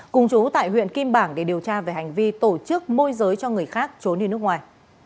cùng chú tại huyện kim bảng để điều tra về hành vi tổ chức môi giới cho người khác trốn đi nước ngoài